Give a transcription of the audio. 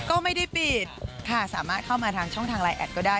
ก็ไม่ได้ปิดค่ะสามารถเข้ามาทางช่องทางไลน์แอดก็ได้